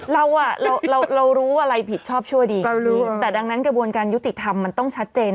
เราอ่ะเราเรารู้อะไรผิดชอบชั่วดีแต่ดังนั้นกระบวนการยุติธรรมมันต้องชัดเจน